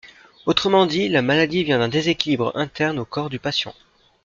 Autrement dit, la maladie vient d'un déséquilibre interne au corps du patient.